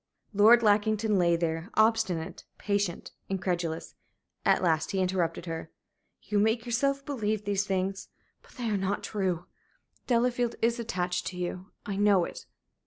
Lord Lackington lay there, obstinate, patient, incredulous. At last he interrupted her. "You make yourself believe these things. But they are not true. Delafield is attached to you. I know it."